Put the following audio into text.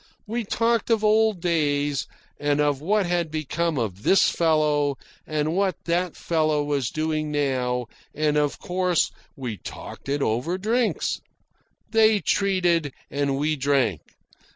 We talked of old days, and of what had become of this fellow, and what that fellow was doing now, and of course we talked it over drinks. They treated, and we drank.